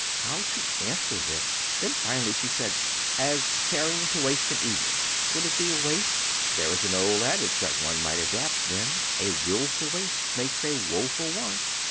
How to answer this? Then finally she said, "As caring to waste an evening." "Would it be a waste? There is an old adage that one might adapt, then, 'A wilful waste makes a woful want.